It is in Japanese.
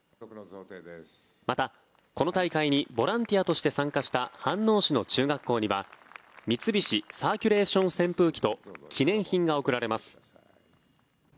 また、この大会にボランティアとして参加した飯能市の中学校には三菱サーキュレーション扇風機と記念品が贈られます。